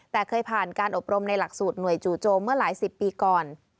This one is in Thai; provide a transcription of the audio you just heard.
แต่เคยผ่านการอบรมในหลักสูตรหน่วยจู่โจมเมื่อหลายสิบปีก่อน